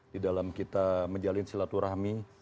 di dalam kita menjalin silaturahmi